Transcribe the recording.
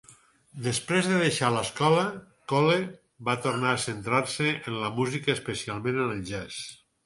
Després de deixar l'escola, Cole va tornar a centrar-se en la música, especialment en el jazz.